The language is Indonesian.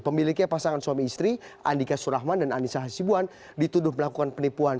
pemiliknya pasangan suami istri andika surahman dan anissa hasibuan dituduh melakukan penipuan